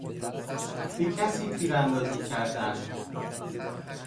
به کسی تیراندازی کردن